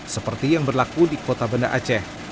seperti yang berlaku di kota benda aceh